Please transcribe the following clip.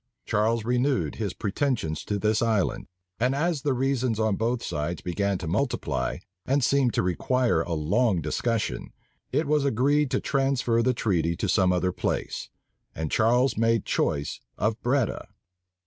Charles renewed his pretensions to this island; and as the reasons on both sides began to multiply, and seemed to require a long discussion, it was agreed to transfer the treaty to some other place; and Charles made choice of Breda.